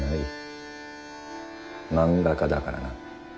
漫画家だからな。